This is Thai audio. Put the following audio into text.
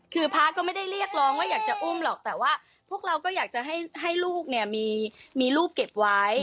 คือพระก็ไม่ได้เรียกร้องว่าอยากจะอุ้มหรอกแต่ว่าพวกเราก็อยากจะให้ลูกเนี่ยมีรูปเก็บไว้